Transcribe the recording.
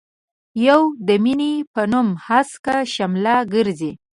يو د مينې په نوم هسکه شمله ګرزي.